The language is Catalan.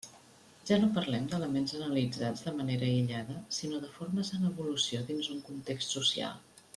Ja no parlem d'elements analitzats de manera aïllada, sinó de formes en evolució dins un context social.